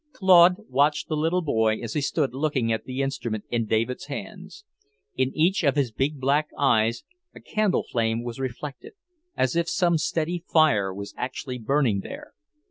Claude watched the little boy as he stood looking at the instrument in David's hands; in each of his big black eyes a candle flame was reflected, as if some steady fire were actually burning there.